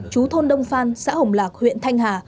chú thôn đông phan xã hồng lạc huyện thanh hà